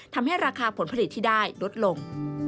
ทำให้ราคาผลผลิตที่ได้ลดลง